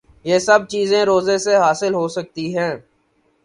یہ سب چیزیں روزے سے حاصل ہو سکتی ہیں